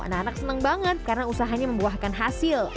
anak anak senang banget karena usahanya membuahkan hasil